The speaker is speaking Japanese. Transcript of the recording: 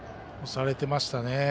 押されてましたね。